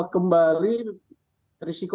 kembali ke tempat yang tadi pak